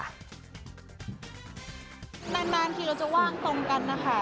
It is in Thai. นานทีเราจะว่างตรงกันนะคะ